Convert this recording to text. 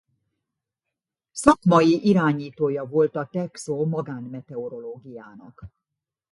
Szakmai irányítója volt a Texo-Magánmeteorológiának.